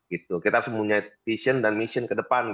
kita harus mempunyai vision dan mission ke depan